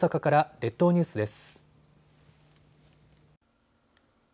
列島ニュースです。